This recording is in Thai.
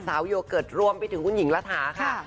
โยเกิร์ตรวมไปถึงคุณหญิงรัฐาค่ะ